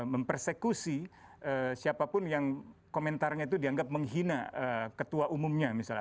mempersekusi siapapun yang komentarnya itu dianggap menghina ketua umumnya misalnya